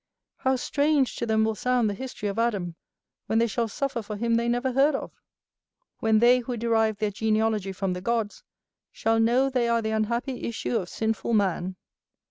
How strange to them will sound the history of Adam, when they shall suffer for him they never heard of! When they who derive their genealogy from the gods, shall know they are the unhappy issue of sinful man!